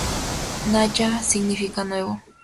Naya significa "Nuevo".